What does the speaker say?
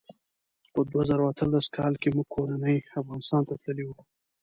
په دوه زره اتلسم کال کې موږ کورنۍ افغانستان ته تللي وو.